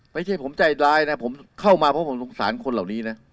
ไม่ใช่ผมใจร้ายนะผมเข้ามาเพราะผมสงสารคนเหล่านี้นะ